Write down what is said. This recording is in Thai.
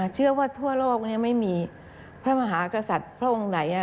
เชื่อว่าทั่วโลกไม่มีพระมหากษัตริย์พระองค์ไหน